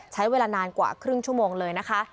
ใช้เวลานานกว่าครึ่งชั่วโมงเลยนะคะ